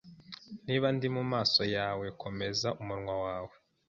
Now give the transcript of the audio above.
Niba ndi mumaso yawe komeza umunwa wawe